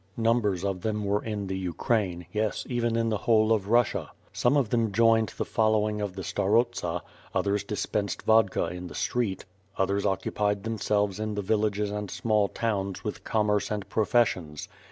Numbers of them were in the Ukraine. Yes, even in the whole of Russia. Some of them jodned the following of the Starosta, others dispensed vodka in the street; others occupied themselves in the villages and small towns with commerce and professions.